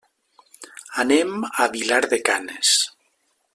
Anem a Vilar de Canes.